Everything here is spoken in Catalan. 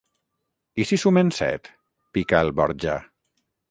I si sumen set? —pica el Borja.